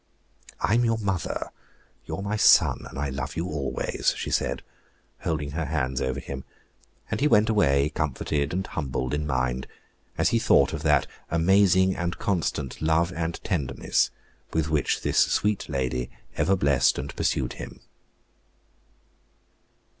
"I am your mother, you are my son, and I love you always," she said, holding her hands over him: and he went away comforted and humbled in mind, as he thought of that amazing and constant love and tenderness with which this sweet lady ever blessed and pursued him.